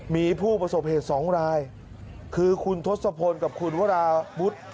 มีผู้ประสบเหตุ๒รายคือคุณทศพลกับคุณวราวุฒิ